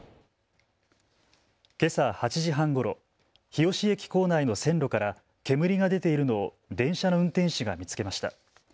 けさ８時半ごろ、日吉駅構内の線路から煙が出ているのを電車の運転士が見つけました。